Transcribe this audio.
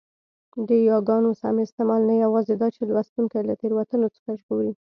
د یاګانو سم استعمال نه یوازي داچي لوستوونکی له تېروتنو څخه ژغوري؛